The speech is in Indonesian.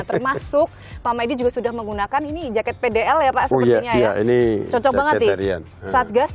termasuk pak medi juga sudah menggunakan ini jaket pdl ya pak ini cocok banget ya satgas